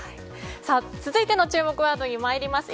続いての注目ワードに参ります。